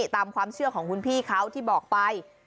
ตามความเชื่อของคุณพี่เขาที่บอกไป